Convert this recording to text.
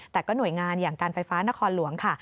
แต่ก็หน่วยงานอย่างการไฟฟ้านครหลวงค่ะ